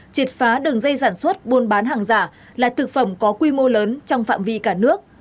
triệt phá đường dây sản xuất buôn bán hàng giả là thực phẩm có quy mô lớn trong phạm vi cả nước